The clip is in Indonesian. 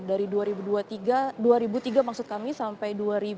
dari dua ribu tiga sampai dua ribu sepuluh